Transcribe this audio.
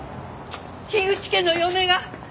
口家の嫁が！